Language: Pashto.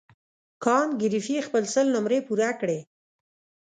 کانت ګریفي خپله سل نمرې پوره کړې.